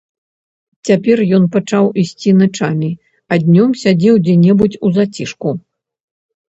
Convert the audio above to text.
Цяпер ён пачаў ісці начамі, а днём сядзеў дзе-небудзь у зацішку.